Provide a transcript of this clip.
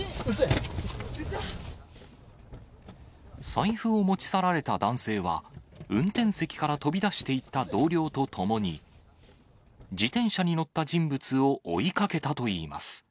財布を持ち去られた男性は、運転席から飛び出していった同僚と共に、自転車に乗った人物を追いかけたといいます。